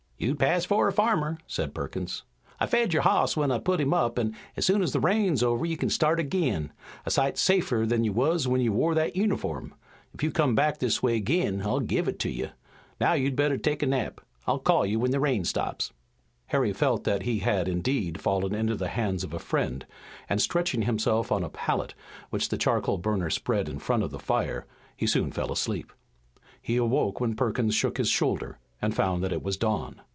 "You'd pass for a farmer," said Perkins. "I fed your hoss when I put him up, an' as soon as the rain's over you kin start ag'in, a sight safer than you wuz when you wore that uniform. Ef you come back this way ag'in I'll give it to you. Now, you'd better take a nap. I'll call you when the rain stops." Harry felt that he had indeed fallen into the hands of a friend, and stretching himself on a pallet which the charcoal burner spread in front of the fire, he soon fell asleep. He awoke when Perkins shook his shoulder and found that it was dawn.